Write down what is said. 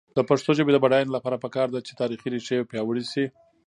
د پښتو ژبې د بډاینې لپاره پکار ده چې تاریخي ریښې پیاوړې شي.